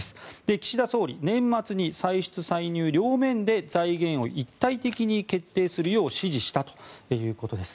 岸田総理は年末に歳出歳入両面で財源を一体的に決定するよう指示したということです。